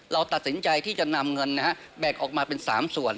เราตัดสินใจที่จะนำเงินแบ่งออกมาเป็น๓ส่วน